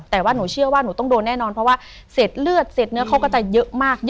แต่ว่าหนูเชื่อว่าหนูต้องโดนแน่นอนเพราะว่าเสร็จเลือดเสร็จเนื้อเขาก็จะเยอะมาก